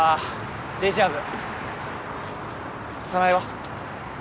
デジャブ早苗は？